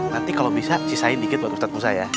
nanti kalau bisa sisain dikit buat ustadz busa ya